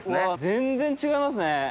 全然違いますね。